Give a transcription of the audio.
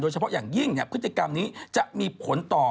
เฉพาะอย่างยิ่งพฤติกรรมนี้จะมีผลต่อ